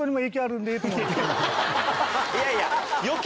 いやいや！